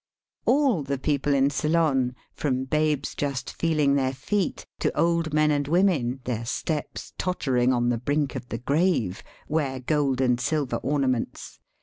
All the people in Ceylon, from babes just " feeling their feet " to old men and women, their steps tottering on the brink of the grave, wear gold and silver ornaments.